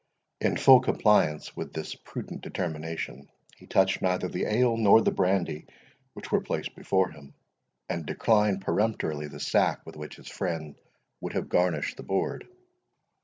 In full compliance with this prudent determination, he touched neither the ale nor the brandy which were placed before him, and declined peremptorily the sack with which his friend would have garnished the board.